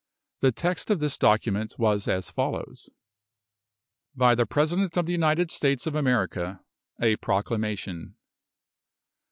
The text of this document was as follows: BY THE PRESIDENT OF THE UNITED STATES OF AMERICA. A Proclamation.